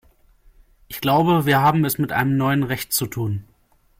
Ich glaube, wir haben es mit einem neuen Recht zu tun.